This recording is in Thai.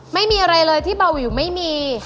ไม่มีอะไรเลยที่เบาวิวไม่มี